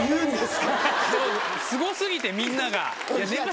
すご過ぎてみんなが。